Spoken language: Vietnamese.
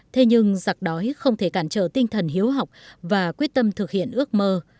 thế nhưng giặc đói không thể cản trở tinh thần hiếu học và quyết tâm thực hiện ước mơ